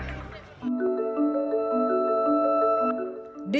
akan menjadi perusahaan yang lebih mudah